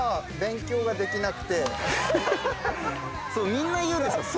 みんな言うんですけど。